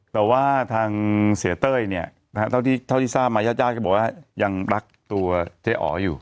แต่ว่าทางเสียเต้ยเนี่ยเท่าที่ทราบมาญาติญาติก็บอกว่ายังรักตัวเจ๊อ๋ออยู่